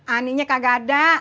aninya kagak ada